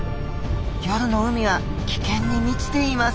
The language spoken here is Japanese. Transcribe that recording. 夜の海は危険に満ちています。